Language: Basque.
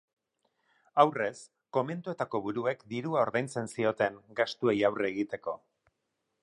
Aurrez, komentuetako buruek dirua ordaintzen zioten, gastuei aurre egiteko.